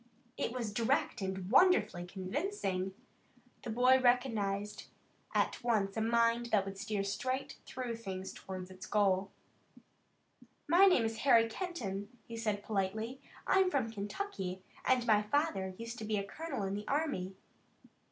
It was direct and wonderfully convincing. The boy recognized at once a mind that would steer straight through things toward its goal. "My name is Harry Kenton," he said politely. "I'm from Kentucky, and my father used to be a colonel in the army."